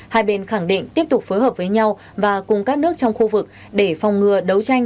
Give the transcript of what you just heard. hai bên khẳng định tiếp tục phối hợp với nhau và cùng các nước trong khu vực để phòng ngừa đấu tranh